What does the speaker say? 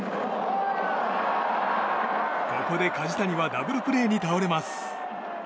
ここで梶谷はダブルプレーに倒れます。